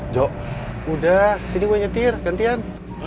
jo udah sini gue nyetir gantian